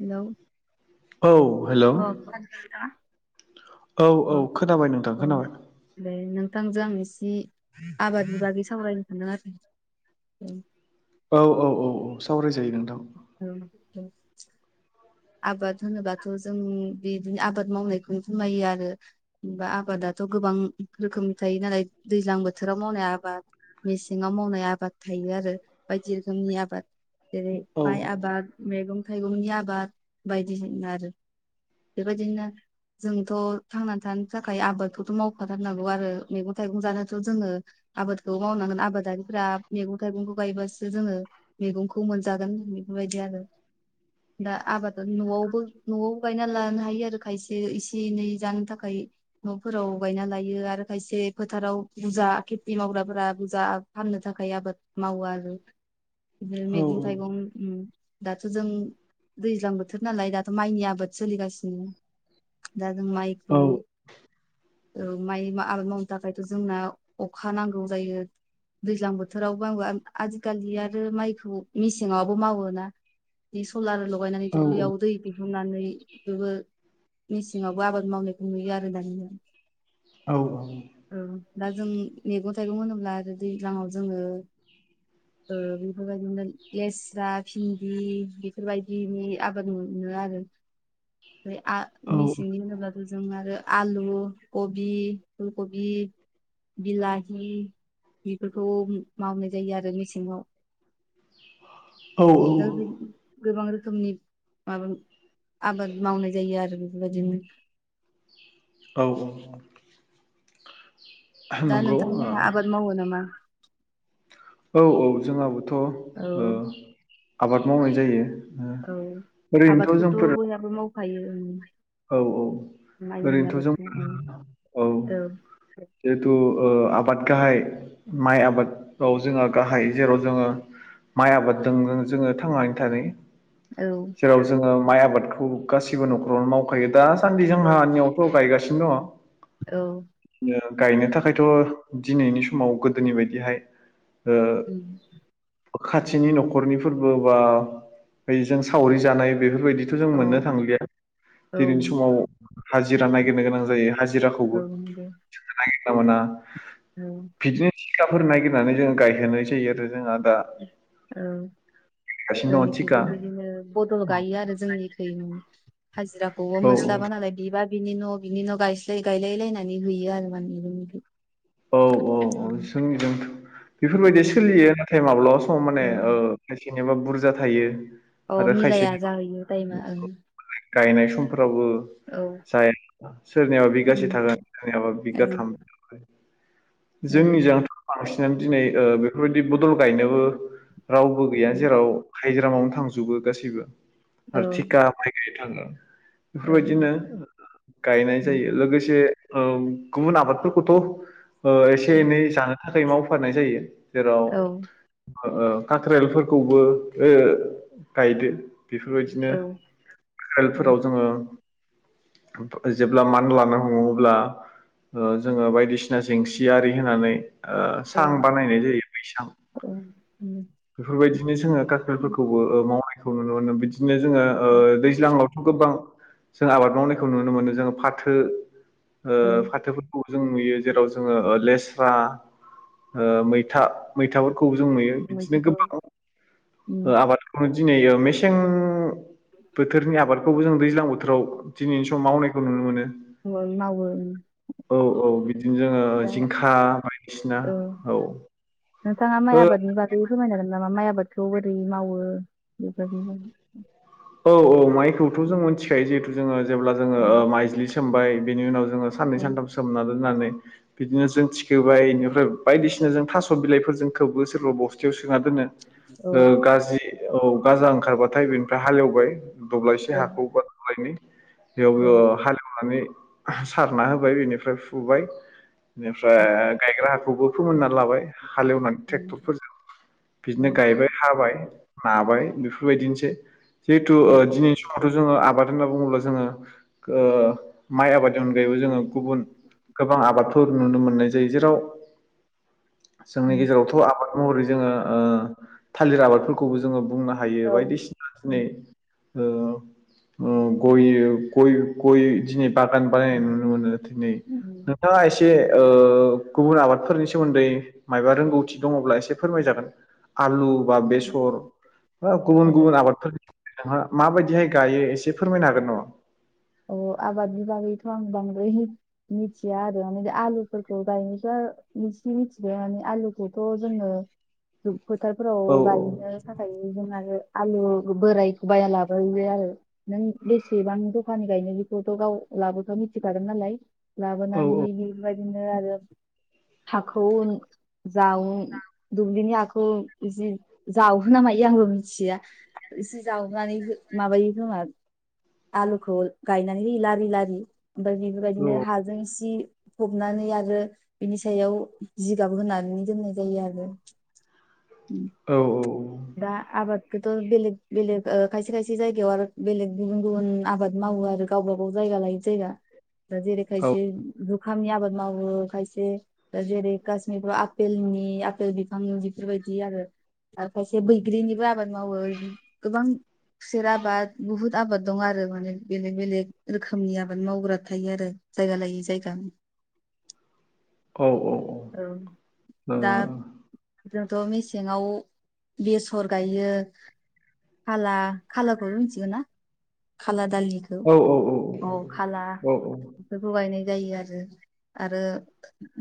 Hello औ औ hello खोनादों नोंथाङा? औ औ खोनाबाय नोंथां औ खोनाबाय दे नोंथांजों आं एसे आबादनि बागै सावरायनो ज औ औ औ औ सावरायजायो नों औ औ आबाद होनोबाथ' जों बिदिनो आबाद मावनायखौनो फोरमायो आरोबा आबादा आथ' गोबां रोखोमनि थायो नालाय दैज्लां बोथोराव मावनाय आबाद मेसेंाव मावनाय आबाद थायो थायो आरो बायदि रोखोमनि आबाद जेरै औ माइ आबाद मैगं थाइगंनि आबाद बायदिनो आरो बेबायदिनो आरो जोंथ' थांनानै थानो थाखाय आबादखौथ' मावफाथारनांगौ आरो मैगं थाइगं जानोथ' जोङो आबादखौ मावनांगोन आबादारिफोरा्रा मैगं थाइगंखौ गायबासो जोङो मैगंखौ मोनजागोन बेबायदि जादों दा आब न'आवबो न'आवबो गायना लानो हायो आरो खायसे एसे एनै जानो थाखाय न'फोराव गायना लायो आरो खायसे फोथाराव बुरजा खेथि मावग्राफोरा बुरजा फाननो थाखाय आबाद मावो आरो बिदिनो औ मैगं थाइगं दाथ' जों दैज्लां बोथोर बोथोर नालाय दाथ' माइनि आबाद सोलिगासिनो दा आ मायखौ औ ओ माइ आबाद मावनो थाखायथ' जोंना अखा नांगौ जायो दैज्लां बोथोरावबो आंबो आजिखालि आरो माइखौ मेसेङावबो मावोना बे सलार लगायनानै औ दुब्लियाव दै दिहुननानै बेबो मेसेङावबो आबाद मावनाय नुयो आरो दानि औ अ दा जों मैगं थाइगं होनोब्ला दैज्लाङाव जोङो ओ- बेफोरबायदिनो लेस्रा भिन्दि बेफोरबायदिनि आबाद मोनो आरो फ्राय आ- मेसेंनि होनोबबो जों आरो आलु कबि फुलकबि बिलाहि बेफोरखौ मावनाय जायो आरो मेसेङाव औ दा गोबां रोखोमनि माबा आबाद मावनाय जायो आरो बेफोरबायदिनो औ औ दा नंगौ नोंथांमोनहा आबाद मावो नामा औ औ जोंहाबोथ'ओ औ आबाद मावनाय जायो औ ओरैनोथ' आबादखौथ' जोंफोर बयहाबो माखायो औ औ ओरैनोथ' जों आबादखौ औ औ जेथु ओ [unintelligible] आबाद गाहाय माइ आबादाव जोंहा गाहाय जेराव जोङो माइ आबाददों जोङो थांनानै थायो। औ जेराव जोङो माइ आबादखौ गासिबो न'खरावनो मावखायो दा दासान्दि औ जोंहानियावथ' गायगासिनो औ दङ बि गायनो थाखायथ' दिनैनि समाव गोदोनि बायदिहाय उम, ओ खाथिनि न'खरनि फोरबो बा बेजों सावरि जानाय बेफोरबायदिथ' जों औ मोननो थांलिया औ दिनैनि समाव हाजिरा नागिरनो गोनां जायो। हाजिराखौबो नंगौ नागिरना मोना। औ। बिदिनो थिखाफोर नागिरनानै जोङो गायहोनाय जायो आरो जोंहा दा औ। गायगासिनो दङ थिखा जोंनिखिबो बिदिनो बदल गायो आरो जोंनिखि हाजिराखौबो औ औ मोस्लाबा नालाय बिबा बिनि न' बिनि न' गायस्लाय- गायलाय लायनानै हैयो आरो माने जोंनिखि। औ औ औ जों जोंथ' औ बेफोरबायदि सोलियो टाइम माब्लाबा सम औ माने ओ खायसेनिबा बुरजा थायो अ आरो मिलाया खायसेनि जाहैयो टाइमा ओं गायनाय सम्फोर फ्रावबो औ जाय सोरनियाबा बिगासे उम थागोन सोरनियाबा ओं बिगाथाम ओं जोंनिजोंथ' बांसिनानो दिनै ओ बेफोरबायदि बदल गायनोबो रावबो गैया ओं जेराव हायजिरामावनो थांजोबो गासैबो औ आरो थिखा बायदि थांङो ओं बेफोरबायदिनो गायनाय ओं जायो लोगोसे ओ गुबुन आबादफोरखौथ ओ' एसे एनै जानो थाखाय मावफारनाय जायो जेराव औ ओ काख्रेलफोरखौबो ओ गायदो बेफोरबायदिनो औ उम हेलफोराव जोङो जेब्ला मान लानो हमो अब्ला ओ जोङो बायदिसि सिना जें सि आरि होनानै ओ औ सां बानायनाय जायो बैसां औ उम बेफोरबायदिनो जोङो खाख्रेलफोरखौबो ओ मावनायखौ नुनो मोनो बिदिनो जोङो ओ उम दैज्लांवाथ' गोबां जों आबाद मावनायखौ नुनो मोनो जोङो फाथो ओ औ फाथोफोरखौ जों नुयो जेराव जोङो ओ लेस्रा मैथा मैथाफोरखौबो जों नुयो बिदिनो मैथाखौ गोबां ओ उम आबादखौनो दिनै ओ मेसें बोथोरनि आबाद खौबो जों दैज्लां बोथोराव दिनैनि सम मावनायखौ नुनो मोनो ओं मावो उम औ औ बिदिनो जोङो दा जिंखा बायदिसिना औ नोंथाङा माइ ओ आबादनि बागै फोरमायनो हागोन नामा माइ आबादखौ बोरै मावो बेफोरदि औ औ माइखौथ' जों मिथिखायो जिहेथु जोङो जेब्ला औ जोङो माइजलि सोमबाय बेनि उनाव जोङो साननै औ सानथाम सोमना दोननानै बिदिनो जों थिखोबाय इनिफ्राय बायदिसिना जों थास' बिलाइफोरजों खोबो सोरबा बस्थ जोंहा औ दोननो गाज्रि औ गाजा ओंखारबाथाय बेनिफ्राय हालेवबाय दब्लायसे हाखौ औ बा दब्लायनै औ [unintelligible] हालेवनानै सारना होबाय बेनिफ्राय फुबाय बेनिफ्राय उम गायग्रा हा खौबो फोमोनना लाबाय हालेवनानै उम ट्रेक्टरफोरजों औ बिदिनो गायबाय हाबाय बाय बेफोरबायदिनोसै जिहेथु औ दिनैनि समावथ' जोङो आबाद होनना बुङोब्ला जोङो माइ आबादनि अनगायैबो जोङो गुबुन गोबां आबाद फोर नुनो मोननाय जायो जेराव जोंनि उम गेजेरावथ' आबाद महरै जोङो थालिर आबादफोरखौबो जोङो बुंनो हायो औ बायदिसिना उम दिनै गययो-गय- गय दिनै बागान बानायनाय नुनो मोनो दिनै उम नोंथाङा एसे गुबुन आबादफोरनि सोमोन्दै मायबा रोंगौथि दङ'ब्ला एसे फोरमायजागोन आलु बा बेसर बा औ गुबुन गुबुन औ आबादफोर नोंहा माबायदिहाय गायो एसे फोरमायनो हागोन न अ आबादनि बागैथ' आं बांद्राय मिथिया आरो माने आलुफोरखौ गायनोस इसे मिथिबायानो आलुखौथ' जोङो फोथारफोराव गायनो थाखाय जों आरो आलु बोरायखौ बाया लाबोयो आरो नों बेसेबां जख खानि गायनो बेखौथ' गाव लाबोथ' मिथिखागोन नालाय लाबोनानै बेबायदि दिनो आरो हाखौ जावो दुब्लिनि हाखौ जे जावहो ना मायो आंबो मिथिया एसे जावनानै माबायो खोमा आलु खौ गायनानै होयो लारि लारि ओमफ्राय बेफोरबायदिनो हाजों सि फबनानै आरो बिनि सायाव जिगाब होनानै दोननाय जायो आरो [unintelligible] [inaudible] औ औ दा आबादखौथ' बेलेग बेलेग खायसे खायसे जायगायाव आरो बेलेग गुबुन गुबुन आबाद माव वो आरो गावबागाव जायागा लायै जायगा दा जेरै खायसे खामनि आबाद मावो खायसे दा जेरै काशमिरफ्राव आपेलनि आपेल बिफांनि बेफोरबायदि बिदि आरो आर खायसे बैग्रिनिबो आबाद मावो गोबां खुसेर आबाद बुहुत आबाद दं आरो माने बेलेग बेलेग रोखोमनि आबाद मावग्रा थायो आरो जायगा लायै जायगा औ औ दा औ जोंथ' मेसेङाव बेसर गायो खाला खालाखौबो मिथिगोन ना खाला दालिखौ औ अ खाला औ बेखौ गायनाय जायो आरो आरो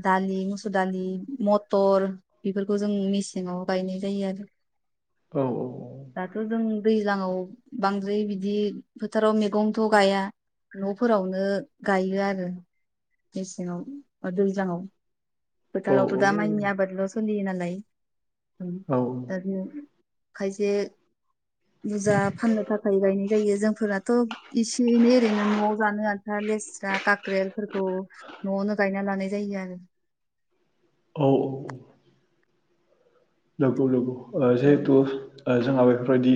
दालि मुसुर दालि मथर बेफोरखौ जों मेसेंयाव गाय नाय जायो आरो दाथ' जों दैज्लांआव बांद्राय बिदि फोथाराव मैगंथ' गाया न'फोरावनो गायो आरो मेसेङाव बा दैज्लाङाव फोथारावथ' दा माइनि आबादल' सोलियो नालाय दा [unintelligible] खायसे बुरजा फाननो थाखाय गायनाय जायो जोंफोराथ' एसे एनै ओरैनो न'आव जानो आनथा लेस्रा कक्रेलफोरखौ न'आवनो गायना लानाय जायो आरो औ औ लोगौ लोगौ आरो जिहेतु जोंहा बेफोरबायदि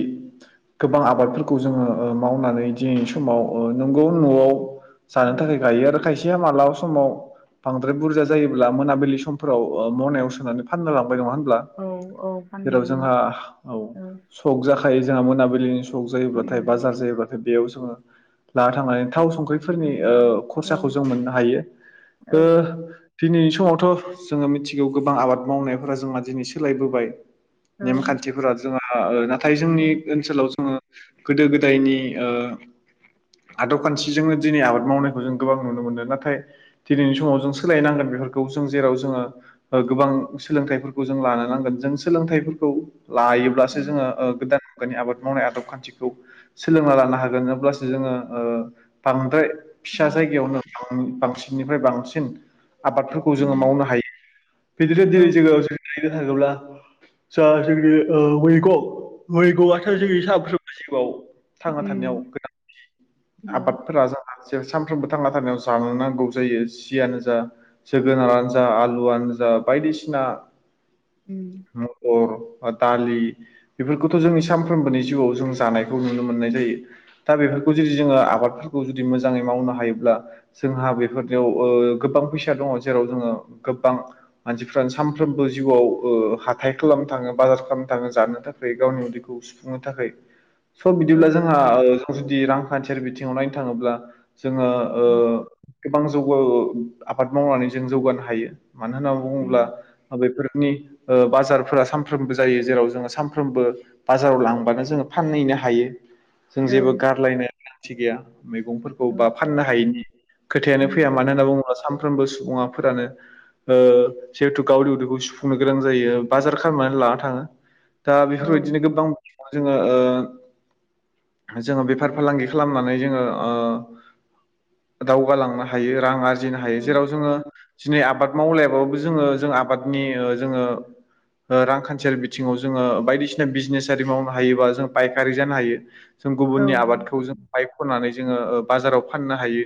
गोबां आबादफोरखौ जोङो मावनानै दिनैनि समाव नंगौ [unintelligible] न'आव [inaudible] जानो थाखाय गायो आरो खायसेया मालाबा समाव बांद्राय बुरजा जायोब्ला मोनाबिलि समफोराव मनायाव सोनानै फाननो लांबाय नङा होन ब्ला औ औ फाननो जेराव मोन जोंहा औ सक जाखायो जोंहा मोनाबिलिनि सम सक जायोबाथाय उम बाजार जायोबाथाय बेयाव जोङो लाना थांनानै। थाव संख्रिफोरनि ओ फाननो औ खरसाखौ जों मोननो हायो। औ ओ दिनैनि समावथ' जोङो मिथिगौ गोबां आबाद मावनायफोरा जोंहा दिनै सोलायबोबाय। औ नेमखान्थिफोरा जोंहा नाथाय जोंनि औ ओनसोलाव जोङो गोदो गोदायनि ओ आदब खान्थिजोंनो दिनै आबाद मावनायखौ जों गोबां नुनो मोनो नाथाय दिनैनि समाव जों सोलायनांगोन बेफोरखौ जों जेराव जोङो ओ गोबां सोंलोंथाइफोरखौ जों लानानै लानांगोन जों सोलोंथाइफोरखौ लायोब्लासो जोङो ओ गोदान मुगानि आबाद मावनाय आदब खान्थिखौ सोलोंना लानो हागोन अब्लासो जोङो ओ बांद्राय फिसा औ जायगायावनो उम बांसिननिफ्राय बांसिन आबादफोरखौ जोङो उम मावनो हायो बिदिनो औ दिनै जोङो [unintelligible] थाङोब्ला जोङा जोंनि ओ मैगं मैगौआथ' उम जोंनि सानफ्रोमबो जिउआव थांना थानायाव उम गोनांथि औ आबादफोरा जोंहा जों सानफ्रोमबो थांना थानायाव जानो नांगौ जायो जियानो जा जोगोनारानो जा आलुआनो जा जा बायदिसिना उम महर दालि बेफोरखौथ' जोंनि सानफ्रोमबोनि जिउआव जों जानायखौ नुनो मोननाय जायो। दा बे फोरखौ जुदि जोङो आबादफोरखौ जुदि मोजाङै मावनो हायोब्ला जोंहा ओ बेफोरनिआव गोबां फैसा दङ जेराव जोङो गोबां मानसिफ्रानो सानफ्रोमबो जिउआव ओ हाथाय खालामनो थाङो बाजार खालामनो थाङो जानो थाखाय गावनि उदैखौ सुफुंनो थाखै। स' औ बिदिब्ला जोंहा ओ जुदि रांखान्थियारि बिथिङाव नायनो थाङोब्ला जोङो ओ उम गोबां जौगो आबाद मावनानै जों जौगानो हायो। मानो होनना बुङोब्ला उम बेफोरनि ओ बाजारफोरा सानफ्रोमबो जायो जेराव जोङो सानफ्रोमबो बाजाराव लांबानो जोङो फानहैनो हायो। जों औ जेबो गारलायनो गोनांथि गैया। मैगंफोरखौ औ बा फाननो हायिनि खोथायानो उम फैया मानो होनना बुङोब्ला सानफ्रोमबो सुबुङाफोरानो ओ जिहेथु गावनि उदैखौ सुफुंनो गोरों जायो बाजार खालामनानै लाना थाङो दा औ बेफोरबायदिनो गोबां जोङो ओ जोङो बेफार फालांगि खालामनानै जोङो ओ दावगालांनो हायो रां आर जिनो हायो जेराव जोङो दिनै आबाद मावलायाबाबो जोङो जों आबादनि ओ जोङो ओ रांखान्थियारि बिथिङाव जोङो बायदिसिना बिजनेस आरि मावनो हायोबा जों फायखारि जानो हायो। जों औ गुबुननि आबादखौ जों बायख'नानै जोङो ओ बाजाराव फाननो हायो।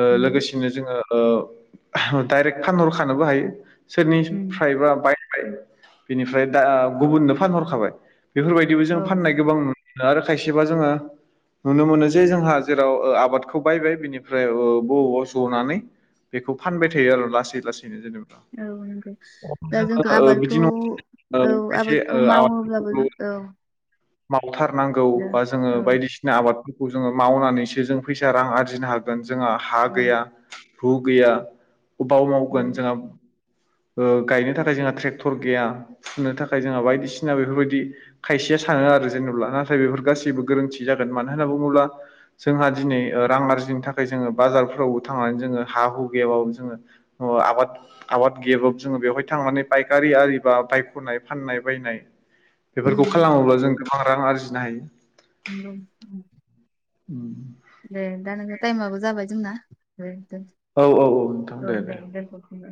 ओ लोगोसेनो जोङो ओ डाइरेक्ट फानहरखानोबो हायो सोरनि उम बायबाय बिनिफ्राय दा गुबुननो फानहरखाबाय। बेफोरबायदिबो औ जों फाननाय गोबां नुनो मोनो आरो खायसेबा जोङो नुनो मोनो जे जोंहा जेराव ओ आबादखौ बायबाय बिनिफ्राय ओ बबावबा जनानै‌ बेखौ फानबाय थायो आरो लासै लासैनो जेनेबा। औ नंगौ। दा जोंखौ ओ आबादखौ बिदि नङा ओ औ खायसे आबादखौ ओ मावोब्लाबो आबादफोरखौ जों औ। मावथारनांगौ दे बा जोङो औ बायदिसिना आबादफोरखौ जोङो मावनानैसो जों फैसा रां आरजिनो हागोन जोंहा हा औ गैया हु गैया बाव उम मावगोन जोंहा ओ गायनो थाखाय जोंहा ट्रेक्टर गैया फनो थाखाय जोंहा बायदिसिना बेफोरबायदि खायसेया सानो आरो जेनेब्ला। नाथाय बेफोर गासैबो गोरोन्थि जागोन मानो होनना बुङोब्ला जोंहा दिनै रां आरजिनो थाखाय जोङो बाजार जारफोरावबो थांनानै जोङो हा हु गैयाबो जोङो आबाद आबाद गैयाबाबो जोङो बेयावहाय थांनानै पायकारि आरि बा बायख'नाय फाननाय बायनाय बेफोरखौ उम खालामोब्ला जों गोबां रां आरजिनो हायो। औ उम टाइमाबो जाबाय जोंना। दोन औ औ औ नोंथां औ दे दे। दोनथ'सै